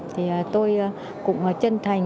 thì tôi cũng chân thành